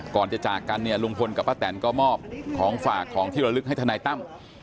ก่อนจะจากกันเนี่ยลุงพลกับป้าแตนก็มอบของฝากของที่ระลึกให้ทนายตั้ม